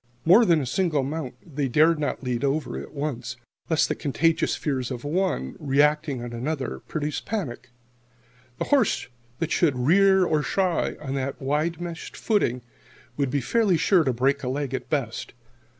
More than a single mount they dared not lead over at once, lest the contagious fears of one, reacting on another, produce panic. The horse that should rear or shy, on that wide meshed footing, would be fairly sure to break a leg, at best.